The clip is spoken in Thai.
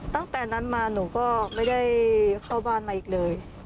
ตั้งแต่นั้นมาหนูก็ไม่ได้เข้าบ้านมาอีกเลย